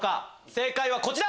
正解はこちら！